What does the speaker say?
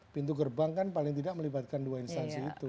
pintu gerbang kan paling tidak melibatkan dua instansi itu